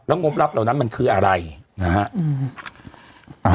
งบรับเหล่านั้นมันคืออะไรนะฮะ